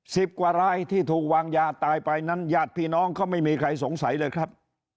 สิบกว่ารายที่ถูกวางยาตายไปนั้นญาติพี่น้องก็ไม่มีใครสงสัยเลยครับ